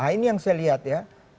nah ini yang saya lihat ya